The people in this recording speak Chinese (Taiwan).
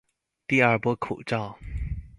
第二波口罩